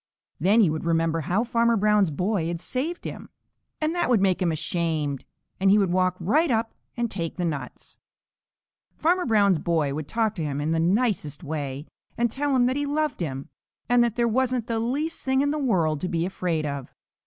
Then he would remember how Farmer Brown's boy had saved him, and that would make him ashamed, and he would walk right up and take the nuts. Farmer Brown's boy would talk to him in the nicest way and tell him that he loved him, and that there wasn't the least thing in the world to be afraid of.